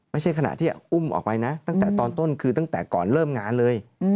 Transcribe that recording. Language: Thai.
ไม่ใช่ขณะที่อุ้มออกไปนะตั้งแต่ตอนต้นคือตั้งแต่ก่อนเริ่มงานเลย